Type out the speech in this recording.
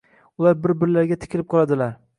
Ular bir-birlariga tikilib qoladilar.